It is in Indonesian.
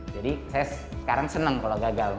jadi sekarang saya senang kalau gagal